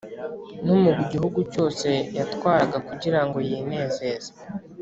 no mu gihugu cyose yatwaraga, kugira ngo yinezeze